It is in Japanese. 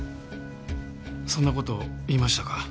そんな事言いましたか？